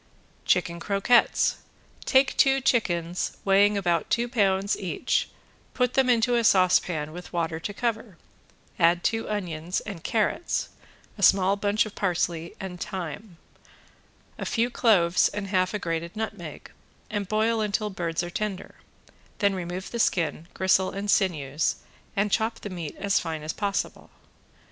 ~CHICKEN CROQUETTES~ Take two chickens weighing about two pounds each, put them into a saucepan with water to cover, add two onions and carrots, a small bunch of parsley and thyme, a few cloves and half a grated nutmeg, and boil until birds are tender; then remove the skin, gristle and sinews and chop the meat as fine as possible.